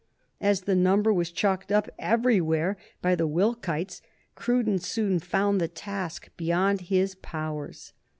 As the number was chalked up everywhere by the Wilkites, Cruden soon found the task beyond his powers.